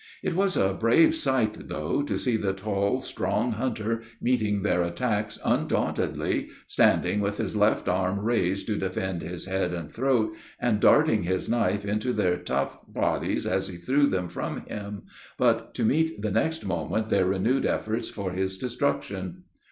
It was a brave sight though, to see the tall, strong hunter, meeting their attacks undauntedly, standing with his left arm raised to defend his head and throat, and darting his knife into their tough bodies as he threw them from him, but to meet the next moment their renewed efforts for his destruction.